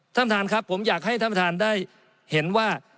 ท่านท่านครับผมอยากให้ท่านประธานได้เห็นว่า